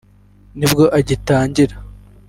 nibwo agitangira